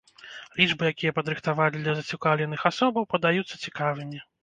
Лічбы, якія падрыхтавалі для зацікаўленых асобаў, падаюцца цікавымі.